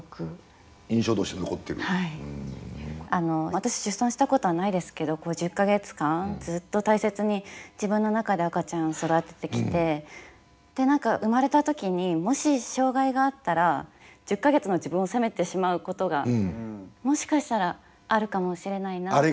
私出産したことはないですけど１０か月間ずっと大切に自分の中で赤ちゃん育ててきて生まれた時にもし障害があったら１０か月の自分を責めてしまうことがもしかしたらあるかもしれないなって。